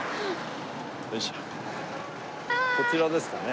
こちらですかね。